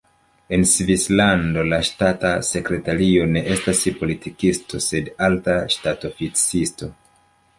En Svislando la ŝtata sekretario ne estas politikisto, sed alta ŝtatoficisto.